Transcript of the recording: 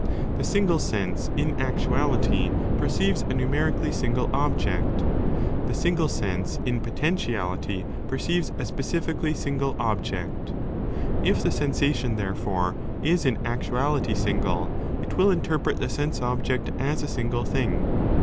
The single sense in actuality perceives a numerically 188 ARISTOTLE S PSYCHOLOGY dk .k.sbo fiingle object ; the single sense in potentiality perceives a specifically single object.^ If the sensation, therefore, is in actuality single, it will interpret the sense object s as a single thing.